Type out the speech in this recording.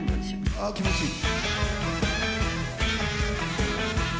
ああ気持ちいい。